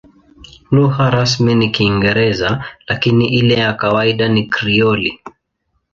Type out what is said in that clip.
Lugha rasmi ni Kiingereza, lakini ile ya kawaida ni Krioli.